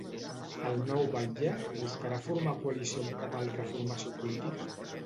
El nou batlle buscarà formar coalició amb cap altra formació política?